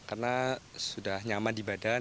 karena sudah nyaman di badan